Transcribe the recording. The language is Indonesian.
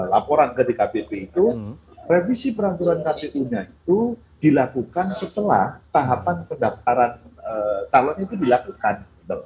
laporan ke dkpp itu revisi peraturan kpu nya itu dilakukan setelah tahapan pendaftaran calon itu dilakukan